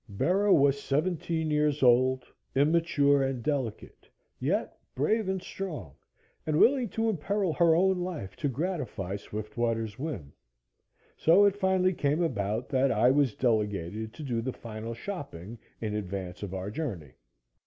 Bera was seventeen years old, immature and delicate, yet brave and strong, and willing to imperil her own life to gratify Swiftwater's whim. So it finally came about that I was delegated to do the final shopping in advance of our journey.